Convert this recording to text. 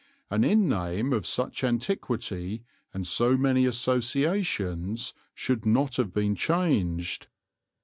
An inn name of such antiquity and so many associations should not have been changed.